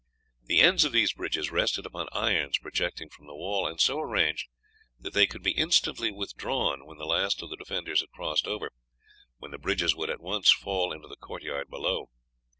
The ends of these bridges rested upon irons projecting from the wall, and so arranged that they could be instantly withdrawn when the last of the defenders had crossed over, when the bridges would at once fall into the court yard below.